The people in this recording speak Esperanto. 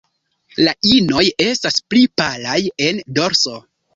La inoj estas pli palaj en dorso.